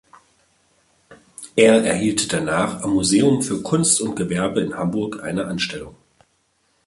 Er erhielt danach am Museum für Kunst und Gewerbe in Hamburg eine Anstellung.